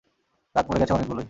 দাঁত পড়ে গেছে অনেকগুলোই।